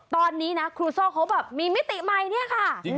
ตอนนี้นะครูโซ่เขาแบบมีมิติใหม่เนี่ยค่ะ